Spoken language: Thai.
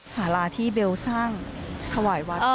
สาราที่เบลสร้างถวายวัด